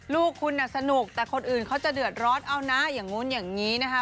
ลูกคุณน่ะสนุกแต่คนอื่นเขาจะเดือดร้อนเอานะอย่างนู้นอย่างนี้นะคะ